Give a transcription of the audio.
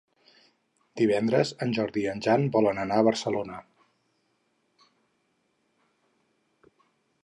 Divendres en Jordi i en Jan volen anar a Barcelona.